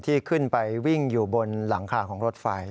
ที่ขึ้นไปวิ่งอยู่บนหลังคาของรถไฟ